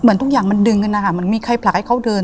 ทุกอย่างมันดึงกันนะคะมันมีใครผลักให้เขาเดิน